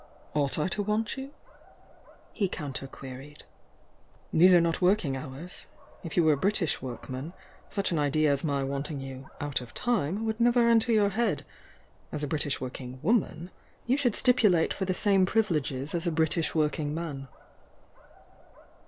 "Ought I to want you?" he counter queried. "These are not working hours! If you were a Brit ish workman such an idea as my wanting you 'out of time' would never enter your head ! As a British working woman, you should stipulate for the same privileges as a British working man."